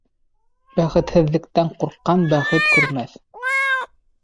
Бәхетһеҙлектән ҡурҡҡан бәхет күрмәҫ.